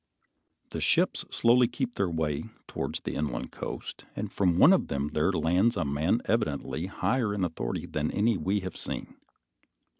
The ships slowly keep their way towards the inland coast, and from one of them there lands a man evidently higher in authority than any we have seen.